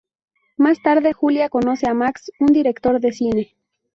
Más tarde Julia conoce a Max, un director de cine.